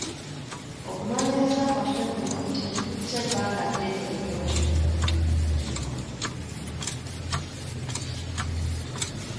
Okunoonyereza kwaffe kuno tekututte bbanga ddene nnyo.